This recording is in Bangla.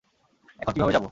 এখন কীভাবে যাবো?